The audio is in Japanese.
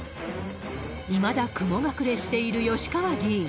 いまだ雲隠れしている吉川議員。